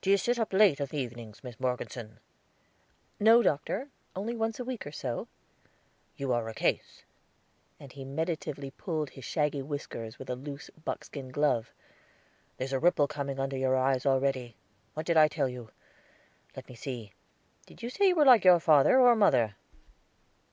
"Do ye sit up late of evenings, Miss Morgeson?" "No, Doctor; only once a week or so." "You are a case." And he meditatively pulled his shaggy whiskers with a loose buckskin glove. "There's a ripple coming under your eyes already; what did I tell you? Let me see, did you say you were like father or mother?"